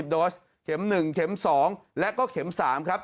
๕๙๖๒๓๐โดสเข็ม๑เข็ม๒แล้วก็เข็ม๓ครับ